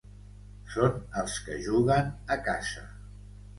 Són els que juguen a casa.